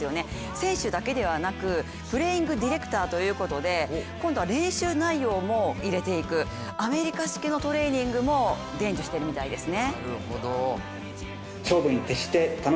選手だけではなく、プレーイングディレクターということで、今度は練習内容も入れていく、アメリカ式のトレーニングも伝授しているみたいですね。